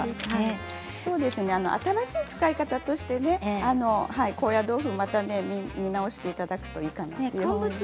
新しい使い方として高野豆腐また見直していただくといいかと思います。